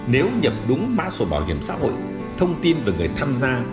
nếu nhập đúng mã sổ bảo hiểm xã hội thông tin về người tham gia